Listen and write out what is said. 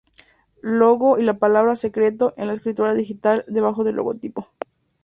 Logo y la palabra "secreto" en la escritura digital, debajo del logotipo.